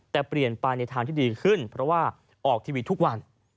แต่เปลี่ยนไปในทางที่ดีขึ้นเพราะว่าออกทีวีทุกวัน